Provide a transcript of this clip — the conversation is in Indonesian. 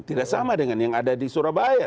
tidak sama dengan yang ada di surabaya